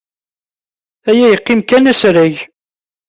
Aya yeqqim kan asrag.